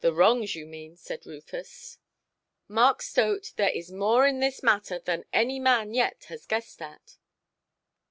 "The wrongs, you mean", said Rufus; "Mark Stote, there is more in this matter than any man yet has guessed at".